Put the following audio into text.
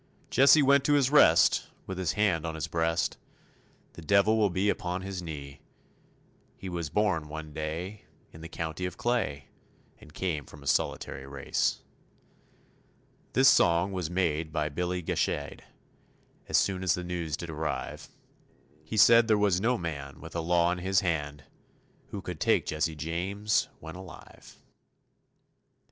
Jesse went to his rest with his hand on his breast; The devil will be upon his knee. He was born one day in the county of Clay And came from a solitary race. This song was made by Billy Gashade, As soon as the news did arrive; He said there was no man with the law in his hand Who could take Jesse James when alive.